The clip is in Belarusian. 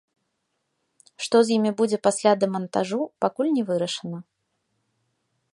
Што з імі будзе пасля дэмантажу, пакуль не вырашана.